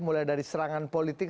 mulai dari serangan politik